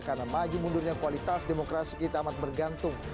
karena maju mundurnya kualitas demokrasi kita amat bergantung